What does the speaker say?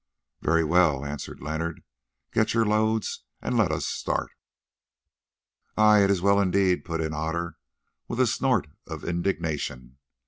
"Very well," answered Leonard. "Get your loads and let us start." "Ay! It is well indeed," put in Otter with a snort of indignation.